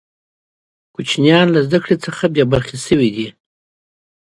کوچنیان له زده کړي څخه بې برخې شوې.